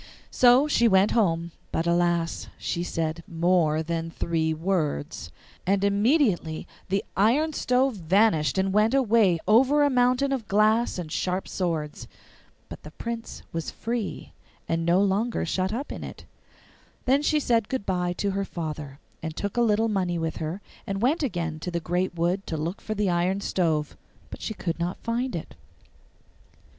So she went home, but alas! she said MORE THAN THREE WORDS; and immediately the iron stove vanished and went away over a mountain of glass and sharp swords. But the Prince was free, and was no longer shut up in it. Then she said good bye to her father, and took a little money with her, and went again into the great wood to look for the iron stove; but she could not find it.